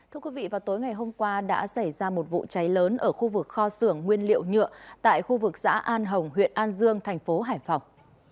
thưa quý vị vào tối ngày hôm qua đã xảy ra một vụ cháy lớn ở khu vực kho xưởng nguyên liệu nhựa tại khu vực xã an hồng huyện an dương thành phố hải phòng